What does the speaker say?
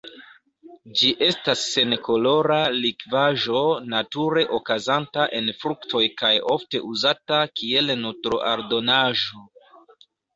Ĝi estas senkolora likvaĵo nature okazanta en fruktoj kaj ofte uzata kiel nutro-aldonaĵo.